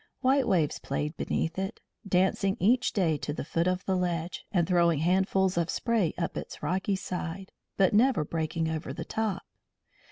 White waves played beneath it, dancing each day to the foot of the ledge, and throwing handfuls of spray up its rocky side, but never breaking over the top.